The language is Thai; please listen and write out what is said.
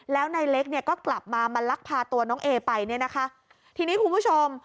แล้วนายเล็กเนี่ยก็กลับมามาลักพาตัวน้องเอไปเนี่ยนะคะทีนี้คุณผู้ชม